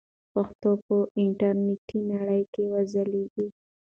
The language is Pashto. پښتو به په انټرنیټي نړۍ کې وځلیږي.